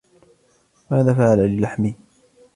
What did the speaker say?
ماذا فعل للحمي؟